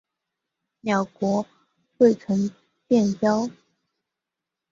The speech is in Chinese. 两国未曾建交。